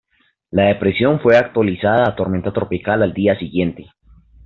La depresión fue actualizada a tormenta tropical al día siguiente.